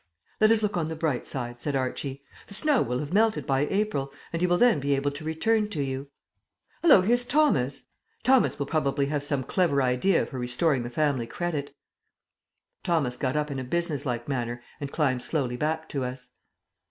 "Let us look on the bright side," said Archie. "The snow will have melted by April, and he will then be able to return to you. Hallo, here's Thomas! Thomas will probably have some clever idea for restoring the family credit." Thomas got up in a businesslike manner and climbed slowly back to us.